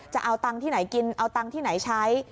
จะเอาตังค์ที่ไหนกินเอาตังค์ที่ไหนใช้